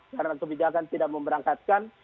karena kebijakan tidak memberangkatkan